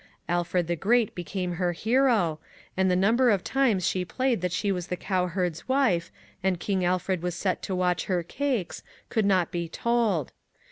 Alfred the Great became her hero, and the number of times she played that she was the cowherd's wife, and King Alfred was set to 140 DISCOVERIES watch her cakes, could not be told.